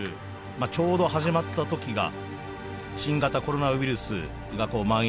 ちょうど始まった時が新型コロナウイルスがまん延。